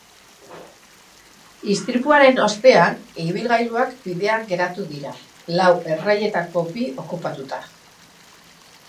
Istripuaren ostean, ibilgailuak bidean geratu dira, lau erreietako bi okupatuta.